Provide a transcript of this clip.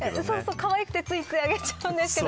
かわいくてついつい、あげちゃうんですよ。